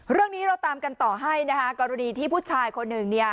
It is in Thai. เรื่องนี้เราตามกันต่อให้นะคะกรณีที่ผู้ชายคนหนึ่งเนี่ย